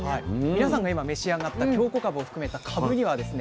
皆さんが今召し上がった京こかぶを含めたかぶにはですね